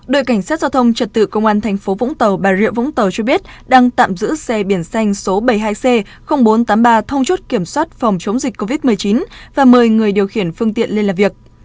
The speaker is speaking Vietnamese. đội cảnh sát giao thông trật tự công an thành phố vũng tàu bà rịa vũng tàu cho biết đang tạm giữ xe biển xanh số bảy mươi hai c bốn trăm tám mươi ba thông chốt kiểm soát phòng chống dịch covid một mươi chín và mời người điều khiển phương tiện lên làm việc